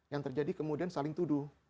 yang terjadi kemudian saling tuduh